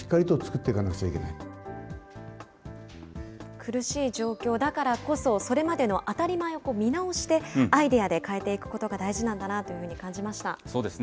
苦しい状況だからこそ、それまでの当たり前を見直して、アイデアで変えていくことが大事そうですね。